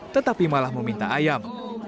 tetapi malah meminta ayam